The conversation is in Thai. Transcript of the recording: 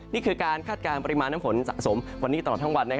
นี่คือการคาดการณ์ปริมาณน้ำฝนสะสมวันนี้ตลอดทั้งวัน